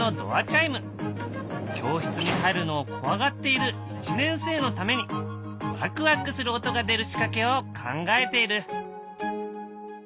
教室に入るのを怖がっている１年生のためにワクワクする音が出る仕掛けを考えている。